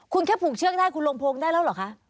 คุณแค่พุงเชือกได้ลองโพงได้หรอคะ